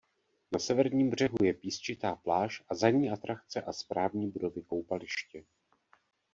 Na severním břehu je písčitá pláž a za ní atrakce a správní budovy koupaliště.